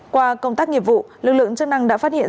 qua công tác nghiệp vụ lực lượng chức năng đã phát hiện